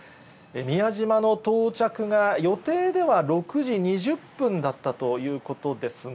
宮島の到着が、予定では６時２０分だったということですが。